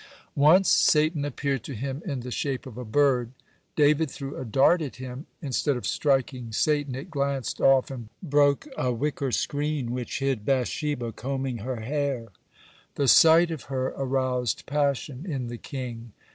Once Satan appeared to him in the shape of a bird. David threw a dart at him. Instead of striking Satan, it glanced off and broke a wicker screen which hid Bath sheba combing her hair. The sight of her aroused passion in the king.